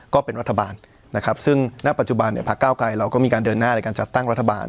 ก็เป็นรัฐบาลนะครับซึ่งณปัจจุบันเนี่ยพักเก้าไกรเราก็มีการเดินหน้าในการจัดตั้งรัฐบาล